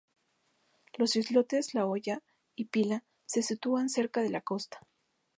Los islotes la Olla y Pila se sitúan cerca la costa.